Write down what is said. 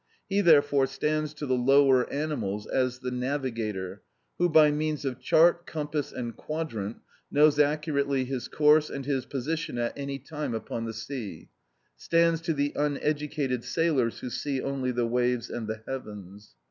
He, therefore, stands to the lower animals as the navigator who, by means of chart, compass, and quadrant, knows accurately his course and his position at any time upon the sea, stands to the uneducated sailors who see only the waves and the heavens.